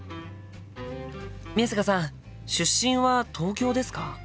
宮坂さん出身は東京ですか？